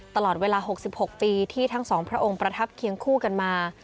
ตลอดเวลา๖๖ปีที่ทั้งสองพระองค์ประทับเคียงคู่กันมา